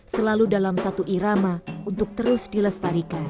selalu dalam satu irama untuk terus dilestarikan